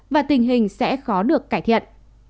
và tình hình sẽ khó được cải thiện